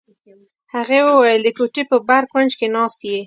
هغې وویل: د کوټې په بر کونج کې ناست یې.